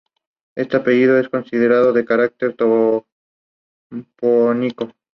Este apellido es considerado de carácter toponímico.